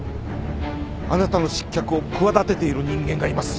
あなたの失脚を企てている人間がいます